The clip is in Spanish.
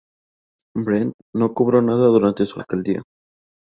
Brent no cobró nada durante su alcaldía.